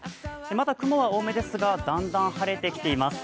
まだ雲は多めですがだんだん晴れてきています。